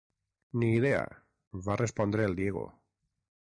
Ni idea —va respondre el Diego—.